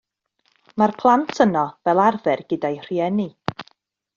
Mae'r plant yno fel arfer gyda'u rhieni.